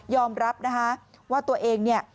รับนะคะว่าตัวเองเนี่ย